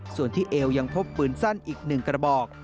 ส่วนที่เอวยังพบปืนสั้นอีก๑กระบอก